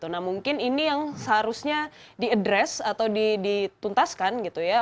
nah mungkin ini yang seharusnya diadres atau dituntaskan